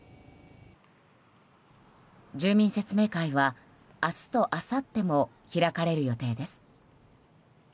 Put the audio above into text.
住民説明会は明日とあさっても開かれる予定です。